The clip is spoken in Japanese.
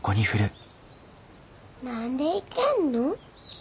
何でいけんの？